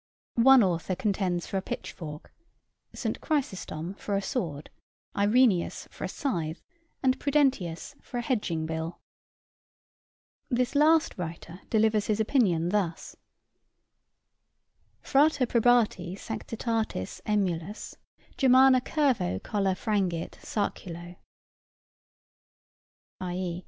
One author contends for a pitchfork, St. Chrysostom for a sword, Irenæus for a scythe, and Prudentius for a hedging bill. This last writer delivers his opinion thus: "Frater, probatæ sanctitatis æmulus, Germana curvo colla frangit sarculo:" i.e.